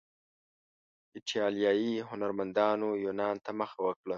ایټالیایي هنرمندانو یونان ته مخه وکړه.